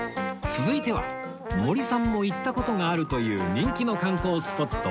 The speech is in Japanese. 続いては森さんも行った事があるという人気の観光スポット